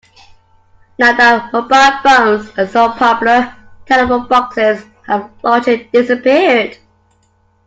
Now that mobile phones are so popular, telephone boxes have largely disappeared